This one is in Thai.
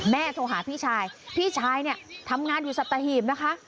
โทรหาพี่ชายพี่ชายเนี่ยทำงานอยู่สัตหีบนะคะ